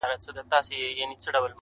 دا روڼه ډېــوه مي پـه وجـود كي ده!